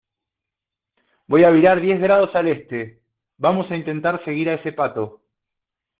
voy a virar diez grados al Este. vamos a intentar seguir a ese pato .